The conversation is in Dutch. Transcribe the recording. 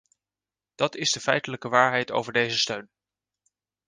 Dat is de feitelijke waarheid over deze steun.